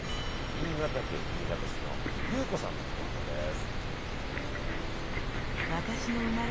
新潟県新潟市のゆうこさんの投稿です。